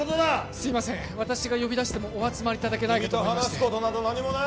すいません私が呼び出してもお集まりいただけないかと思いまして君と話すことなど何もない！